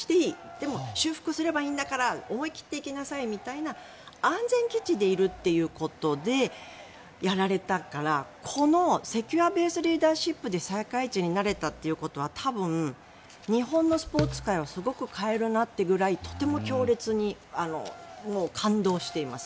でも修復すればいいから思い切って行きなさいみたいな安全基地でいることでやられたから、このセキュアベースリーダーシップで世界一になれたということは多分、日本のスポーツ界をすごく変えるなというぐらい強烈に感動しています。